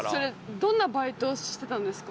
どんなバイトしてたんですか？